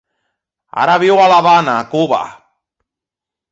Ara viu a l'Havana, Cuba.